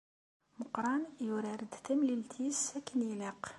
Meqqran yurar-d tamlilt-is akken ilaq.